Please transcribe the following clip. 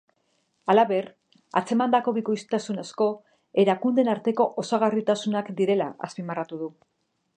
Halaber, atzemandako bikoiztasun asko, erakundeen arteko osagarritasunak direla azpimarratu du.